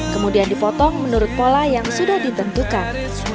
kemudian dipotong menurut pola yang sudah ditentukan